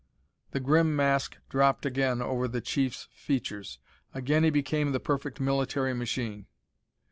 The grim mask dropped again over the chief's features; again he became the perfect military machine.